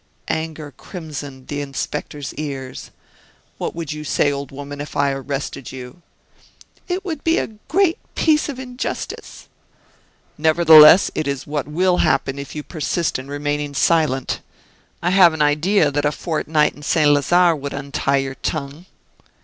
Anger crimsoned the inspector's ears. "What would you say, old woman, if I arrested you?" "It would be a great piece of injustice." "Nevertheless, it is what will happen if you persist in remaining silent. I have an idea that a fortnight in Saint Lazare would untie your tongue."